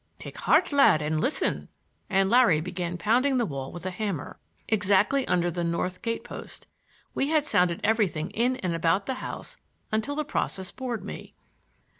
"Take heart, lad, and listen,"—and Larry began pounding the wall with a hammer, exactly under the north gate post. We had sounded everything in and about the house until the process bored me.